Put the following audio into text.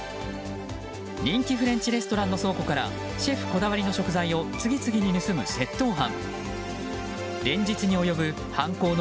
人気フレンチレストランの倉庫からシェフこだわりの食材を次々に盗む窃盗犯。